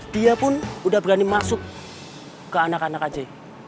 dia pun udah berani masuk ke anak anak aja